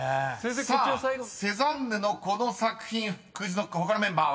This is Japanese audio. ［さあセザンヌのこの作品ＱｕｉｚＫｎｏｃｋ他のメンバーは？］